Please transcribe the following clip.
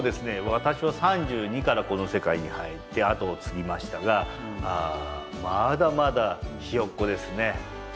私は３２からこの世界に入って後を継ぎましたがまだまだひよっこですね。